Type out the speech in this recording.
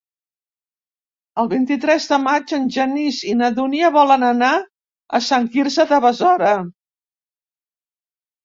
El vint-i-tres de maig en Genís i na Dúnia volen anar a Sant Quirze de Besora.